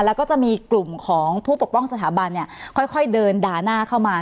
แล้วก็จะมีกลุ่มของผู้ปกป้องสถาบันเนี่ยค่อยเดินด่าหน้าเข้ามา